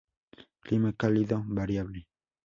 Clima cálido variable.